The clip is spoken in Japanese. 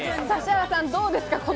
指原さん、どうですか？